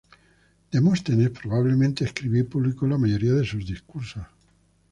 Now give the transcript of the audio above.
Demóstenes probablemente escribió y publicó la mayoría de sus discursos.